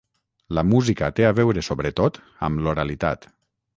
la música té a veure sobretot amb l'oralitat